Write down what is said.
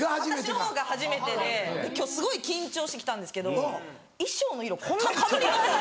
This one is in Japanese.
私の方が初めてで今日すごい緊張して来たんですけど衣装の色こんなかぶります？